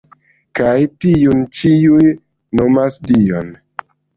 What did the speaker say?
Kaj tiun ĉiuj nomas Dion”.